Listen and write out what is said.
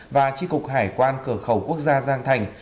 và tri cục hải quan cửa khẩu quốc gia giang thành